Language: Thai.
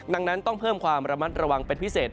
ดังนั้นต้องเพิ่มความระมัดระวังเป็นพิเศษ